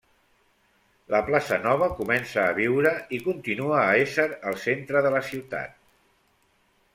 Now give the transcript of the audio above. La plaça nova comença a viure i continua a ésser el centre de la ciutat.